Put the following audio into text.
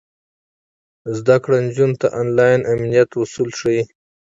زده کړه نجونو ته د انلاین امنیت اصول ښيي.